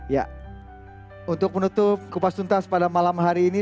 ya untuk menutup kupasuntas pada malam hari ini